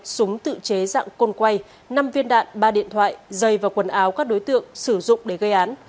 súng tự chế dạng côn quay năm viên đạn ba điện thoại dây và quần áo các đối tượng sử dụng để gây án